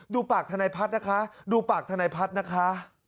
ดูปากทนายพัฒน์นะคะดูปากทนายพัฒน์นะคะ